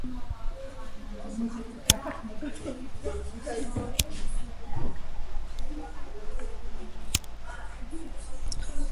აქედან მხედველობის არეში ექცევა ვრცელი ტერიტორია.